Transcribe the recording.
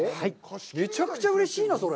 めちゃくちゃうれしいな、それ。